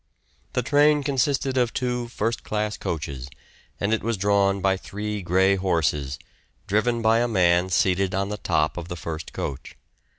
The train consisted of two first class coaches, and it was drawn by three grey horses, driven by a man seated on the top of the first coach.